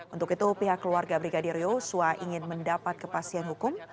untuk itu pihak keluarga brigadir yosua ingin mendapat kepastian hukum